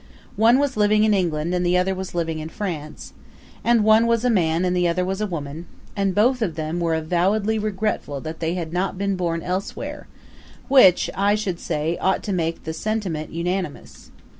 One was living in England and the other was living in France; and one was a man and the other was a woman; and both of them were avowedly regretful that they had not been born elsewhere, which, I should say, ought to make the sentiment unanimous.